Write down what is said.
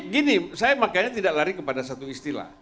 gini saya makanya tidak lari kepada satu istilah